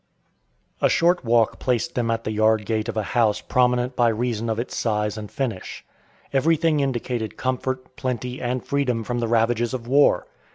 A short walk placed them at the yard gate of a house prominent by reason of its size and finish. Everything indicated comfort, plenty, and freedom from the ravages of war.